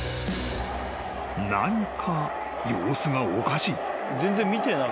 ［何か様子がおかしい］